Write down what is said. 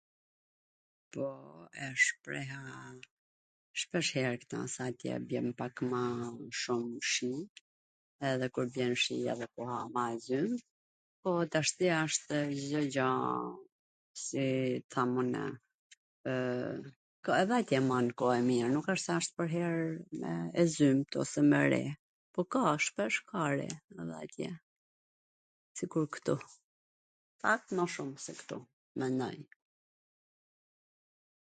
Po, e shpreha shpeshher ktw, se atje bjen pak ma shum shi, edhe kur bjen shi edhe koha a ma e zymt, po tashti ashtw Cdo gja si tamuna, edhe atje asht koh e mir, s asht pwrher e zymt ose me re, po ka, shpesh ka re edhe atje, sikur ktu. Pak ma shum se ktu, menoj.